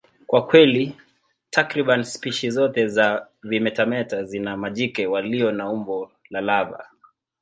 Kwa kweli, takriban spishi zote za vimetameta zina majike walio na umbo la lava.